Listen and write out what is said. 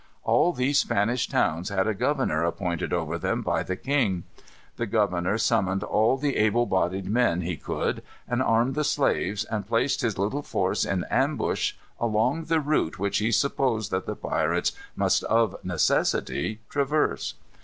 All these Spanish towns had a governor appointed over them by the king. The governor summoned all the able bodied men he could, and armed the slaves, and placed his little force in ambush along the route which he supposed that the pirates must of necessity traverse.